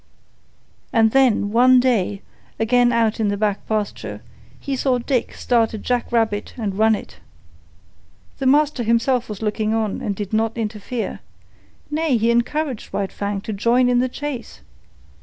And then, one day, again out in the back pasture, he saw Dick start a jackrabbit and run it. The master himself was looking on and did not interfere. Nay, he encouraged White Fang to join in the chase.